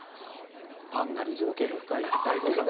パンダに造詣の深い太蔵さん